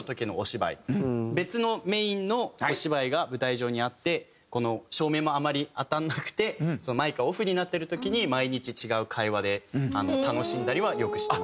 別のメインのお芝居が舞台上にあって照明もあまり当たらなくてマイクがオフになってる時に毎日違う会話で楽しんだりはよくしてます。